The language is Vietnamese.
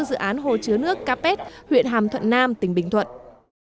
dự án hồ chứa nước capet huyện hàm thuận nam tỉnh bình thuận